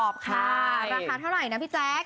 บ้านไก่กรอบราคาเท่าไหร่ป่ะครับ